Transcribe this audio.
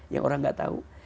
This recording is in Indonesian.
yang orang gak tahu